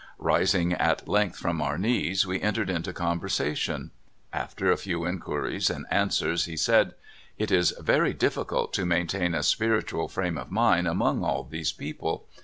Rising at length from our knees, we entered into conversation. After a few inquiries and answers, he said: "It is very difticult to maintain a spirit ual frame of mind among all these people.